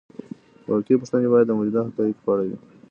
واقعي پوښتنې باید د موجودو حقایقو په اړه وي.